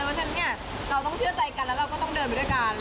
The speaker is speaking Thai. เพราะฉะนั้นเนี่ยเราต้องเชื่อใจกันแล้วเราก็ต้องเดินไปด้วยกัน